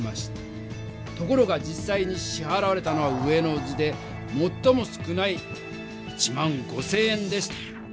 ところが実さいにしはらわれたのは上の図でもっとも少ない１５０００円でした。